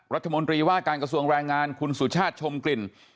รัฐมนตรีว่าการกระทรวงแรงงานคุณสุชาติชมกลิ่น